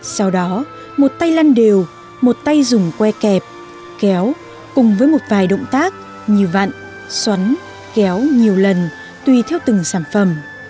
sau đó một tay lăn đều một tay dùng que kẹp kéo cùng với một vài động tác như vặn xoắn kéo nhiều lần tùy theo từng sản phẩm